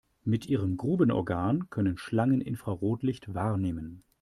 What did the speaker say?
Mit ihrem Grubenorgan können Schlangen Infrarotlicht wahrnehmen.